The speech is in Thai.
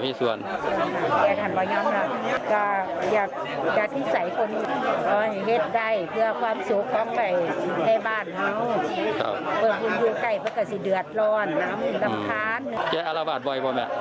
แม่อาละบาทบ่อยป่ะแม่จิฟันมาก